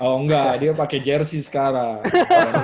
oh nggak dia pakai jersey sekarang